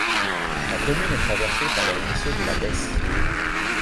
La commune est traversée par le ruisseau de l'Abbesse.